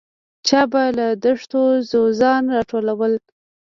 چا به له دښتو ځوځان راټولول.